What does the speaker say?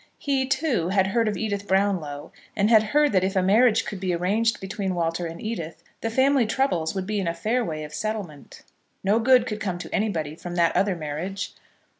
He, too, had heard of Edith Brownlow, and had heard that if a marriage could be arranged between Walter and Edith, the family troubles would be in a fair way of settlement. No good could come to anybody from that other marriage.